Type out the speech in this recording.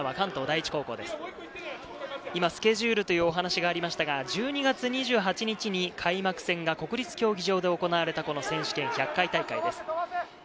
今スケジュールっていうお話がありましたが、１２月２８日に開幕戦が国立競技場で行われた選手権１００回大会です。